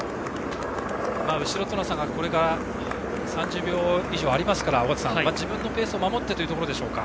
後ろとの差が３０秒以上ありますから自分のペースを守ってというところでしょうか。